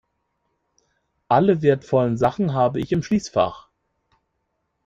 Alle wertvollen Sachen habe ich im Schließfach.